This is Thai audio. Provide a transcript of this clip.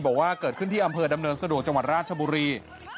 บอกว่าเกิดขึ้นที่อำเภอดำเนินสะดวกจังหวัดราชบุรี